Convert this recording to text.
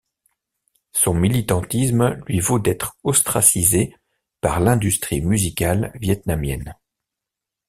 Son militantisme lui vaut d'être ostracisée par l'industrie musicale vietnamienne.